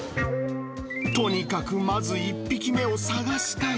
とにかくまず１匹目を探したい。